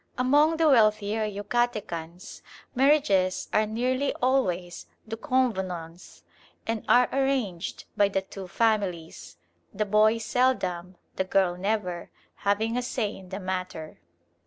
Among the wealthier Yucatecans marriages are nearly always de convenance, and are arranged by the two families: the boy seldom, the girl never, having a say in the matter.